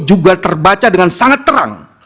juga terbaca dengan sangat terang